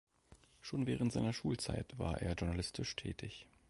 Schon während seiner Schulzeit war er journalistisch tätig.